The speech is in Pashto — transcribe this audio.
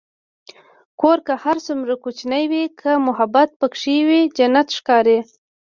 کور که هر څومره کوچنی وي، که محبت پکې وي، جنت ښکاري.